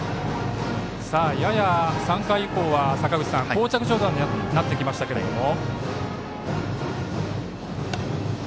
やや３回以降はこう着状態になってきましたけれども。